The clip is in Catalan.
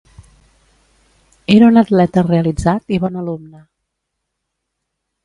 Era un atleta realitzat i bon alumne.